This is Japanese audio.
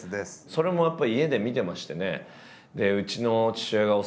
それもやっぱり家で見てましてね。